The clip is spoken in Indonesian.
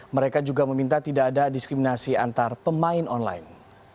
mereka juga meminta tidak ada diskriminasi antar pemain online